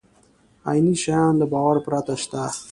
عیني شیان له باور پرته شته.